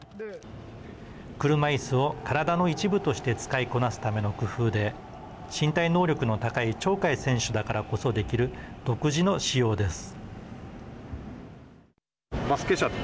車いすを体の一部として使いこなすための工夫で身体能力の高い鳥海選手だからこそできる独自の仕様です。